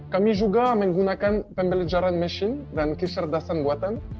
kami juga menggunakan pembelajaran machine dan kecerdasan buatan